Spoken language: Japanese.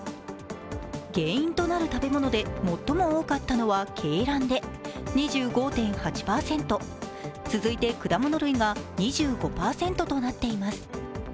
原因となる食べ物で最も多かったのが鶏卵で２５．８％、続いて果物類が２５％となっています。